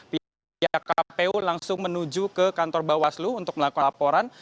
pihak kpu langsung menuju ke kantor bawaslu untuk melakukan laporan